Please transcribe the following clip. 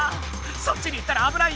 そっちに行ったらあぶないよ！